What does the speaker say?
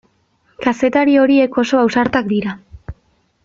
Kazetari horiek oso ausartak dira.